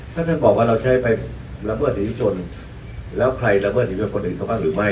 ถ้าท่านบอกว่าเราใช้ไปละเมิดสิทธิชนแล้วใครละเมิดสิทธิยศคนอื่นเขาบ้างหรือไม่